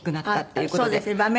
そうですね。